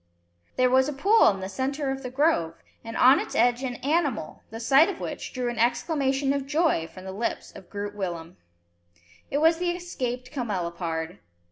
There was a pool in the centre of the grove, and on its edge an animal, the sight of which drew an exclamation of joy from the lips of Groot Willem. It was the escaped camelopard.